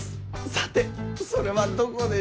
さてそれはどこでしょう？